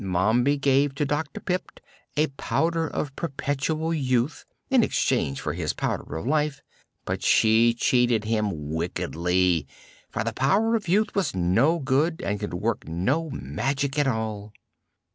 Mombi gave to Dr. Pipt a Powder of Perpetual Youth in exchange for his Powder of Life, but she cheated him wickedly, for the Powder of Youth was no good and could work no magic at all."